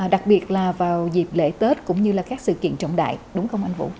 đặc biệt là vào dịp lễ tết cũng như là các sự kiện trọng đại đúng không anh vũ